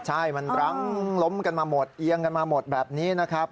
ใช่มันรั้งล้มกันมาหมดเอียงกันมาหมดแบบนี้นะครับ